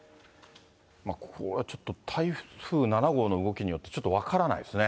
これはちょっと台風７号の動きによってちょっと分からないですね。